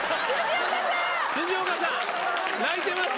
辻岡さん、泣いてます？